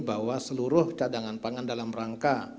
bahwa seluruh cadangan pangan dalam rangka